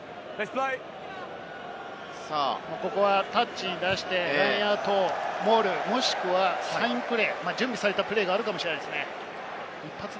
ここはタッチに出してラインアウトモール、もしくはサインプレー、準備されたプレーがあるかもしれないですね。